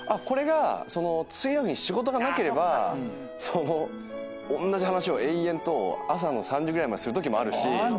これが次の日に仕事がなければそのおんなじ話を延々と朝の３時ぐらいまでするときもあるし